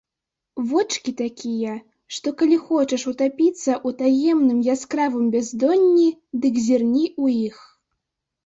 Вочкі такія, што калі хочаш утапіцца ў таемным, яскравым бяздонні, дык зірні ў іх.